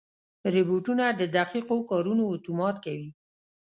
روبوټونه د دقیقو کارونو اتومات کوي.